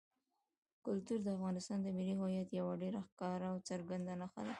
کلتور د افغانستان د ملي هویت یوه ډېره ښکاره او څرګنده نښه ده.